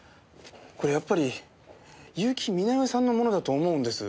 これやっぱり結城美奈世さんのものだと思うんです。